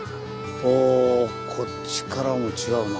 ほぉこっちからも違うな